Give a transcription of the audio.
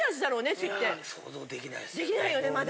できないよねまだ。